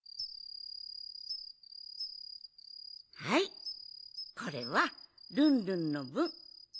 はいこれはルンルンのぶん。